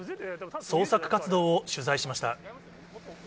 捜索活動を取材しました。